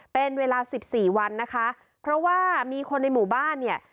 เป็นเวลาสิบสี่วันนะคะเพราะว่ามีคนในหมู่บ้านเนี่ย